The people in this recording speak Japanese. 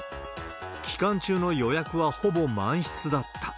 期間中の予約はほぼ満室だった。